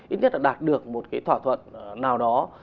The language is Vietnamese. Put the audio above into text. ít nhất là đạt được một cái thỏa thuận nào đó